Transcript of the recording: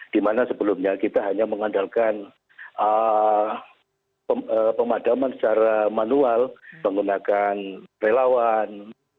dimana sebelumnya kita hanya mengandalkan pemadaman secara manual menggunakan relawan